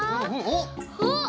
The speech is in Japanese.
おっ！